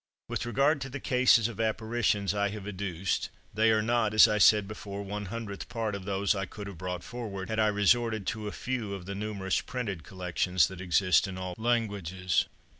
With regard to the cases of apparitions I have adduced, they are not, as I said before, one hundredth part of those I could have brought forward, had I resorted to a few of the numerous printed collections that exist in all languages.